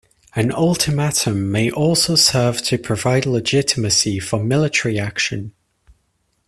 An ultimatum may also serve to provide legitimacy for military action.